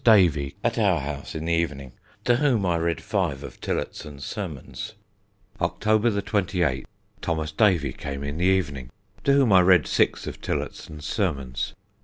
Davey, at our house in the evening, to whom I read five of Tillotson's Sermons. "Sunday, October 28th, Thos. Davey came in the evening to whom I read six of Tillotson's sermons.